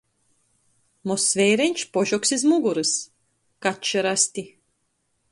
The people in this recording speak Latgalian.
Mozs veireņš, požogs iz mugorys. Kačs ar asti.